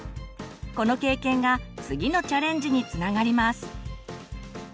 この経験が次のチャレンジにつながります。